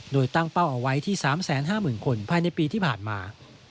โดยตั้งเป้าเอาไว้ที่๓๕๐๐๐คนภายในปีที่ผ่านมา